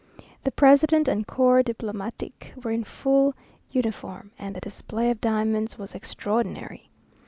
The president and corps diplomatique were in full uniform, and the display of diamonds was extraordinary.